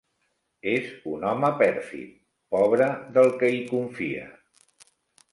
És un home pèrfid: pobre del qui hi confia!